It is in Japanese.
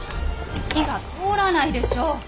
火が通らないでしょう。